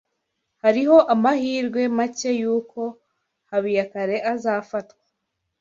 Hariho amahirwe make yuko Habiyakare azafatwa.